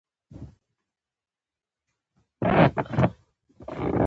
دوی پښتانه مومند او د مغول اکبر